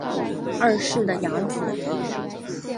二世的养子。